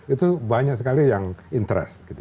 itu banyak sekali yang interest